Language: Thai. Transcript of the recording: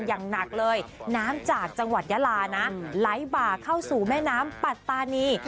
อย่างหนักเลยน้ำจากจังหวัดยาลานะไหลบ่าเข้าสู่แม่น้ำปัตตานี